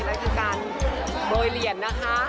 นั่นคือการโบยเหรียญนะคะ